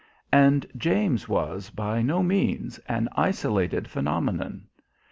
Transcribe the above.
And James was, by no means, an isolated phenomenon.